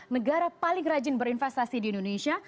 negara paling rajin berinvestasi di indonesia